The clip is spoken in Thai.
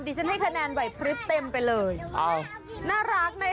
ดิฉันให้คะแนนไหวซ์พฤตเต็มไปเลยเอ้าน่ารักนะ